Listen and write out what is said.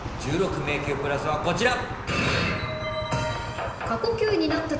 １６迷宮プラスはこちら。